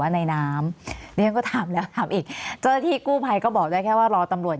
ว่าในน้ำก็ถามแล้วถามอีกที่กู้ภัยก็บอกได้แค่ว่ารอตำรวจ